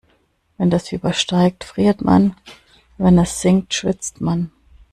Wenn das Fieber steigt, friert man, wenn es sinkt, schwitzt man.